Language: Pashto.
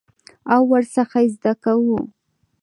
او ورڅخه زده کوو.